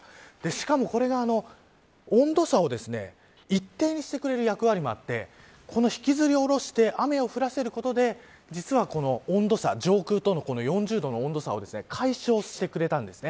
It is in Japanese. しかも、これが温度差を一定にしてくれる役割もあって引きずり降ろして雨を降らせることで実は、この温度差上空との温度差を解消してくれたんです。